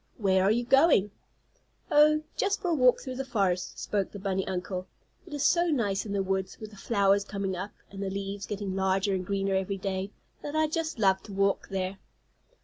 "Where are you going?" "Oh, just for a walk through the forest," spoke the bunny uncle. "It is so nice in the woods, with the flowers coming up, and the leaves getting larger and greener every day, that I just love to walk there."